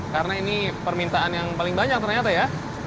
karena ini permintaan yang paling banyak ternyata ya